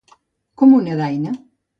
Com una daina.